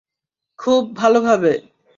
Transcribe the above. খুব ভালো ভাবে।